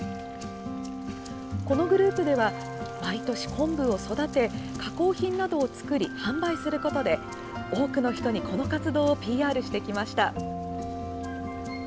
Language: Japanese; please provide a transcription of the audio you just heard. このグループでは毎年こんぶを育て加工品などを作り販売することで多くの人にこの活動をＰＲしてきました。